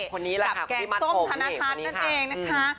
กับแกงส้มธรรมธรรมนั่นเองนะคะ